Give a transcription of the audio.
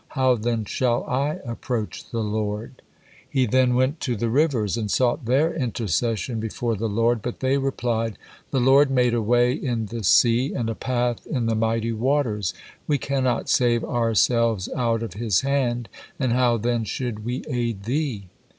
How then shall I approach the Lord?" He then went to the Rivers, and sought their intercession before the Lord, but they replied: "'The Lord made a way in the sea, and a path in the mighty waters.' We cannot save ourselves out of His hand, and how then should we aid thee?"